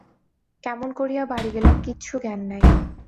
কেমন করিয়া বাড়ি গেলাম কিছু জ্ঞান নাই।